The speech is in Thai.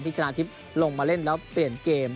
ชนะทิพย์ลงมาเล่นแล้วเปลี่ยนเกม